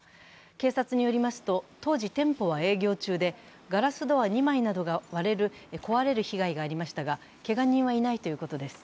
警察によりますと、当時店舗は営業中で、ガラスドア２枚などが壊れる被害がありましたがけが人はいないということです。